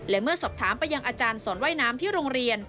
และเมื่อสอบถามไปยังอาจารย์สอนว่ายน้ำที่โรงเรียน